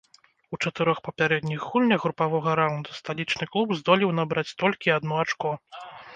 У чатырох папярэдніх гульнях групавога раўнда сталічны клуб здолеў набраць толькі адно ачко.